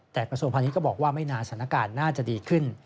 แต่กระทรวงพาณิชยก็บอกว่าไม่นานสถานการณ์น่าจะดีขึ้น